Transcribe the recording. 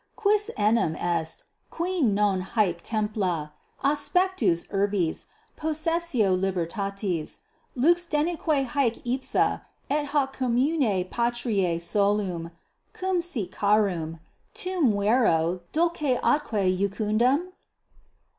Quis enim est, cui non haec templa, aspectus urbis, possessio libertatis, lux denique haec ipsa et hoc commune patriae solum cum sit carum, tum vero dulce atque iucundum?